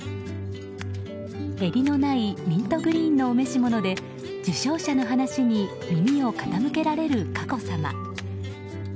襟のないミントグリーンのお召し物で受賞者の話に耳を傾けられる佳子さま。